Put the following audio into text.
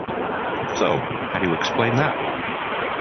So, how do you explain that?